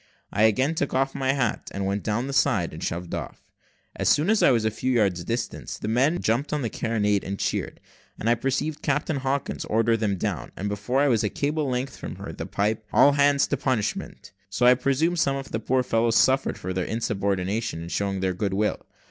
I again took off my hat, and went down the side, and shoved off. As soon as I was a few yards distant, the men jumped on the carronade, and cheered, and I perceived Captain Hawkins order them down, and before I was a cable's length from her, the pipe "All hands to punishment;" so I presume some of the poor fellows suffered for their insubordination in showing their good will.